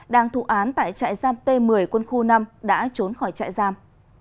đang thụ án tại trại giam t một mươi quân khu năm đã trốn khỏi trại giam